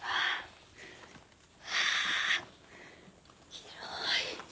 はぁ広い。